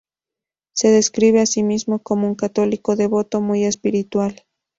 Se describe a sí mismo como un católico devoto "muy espiritual".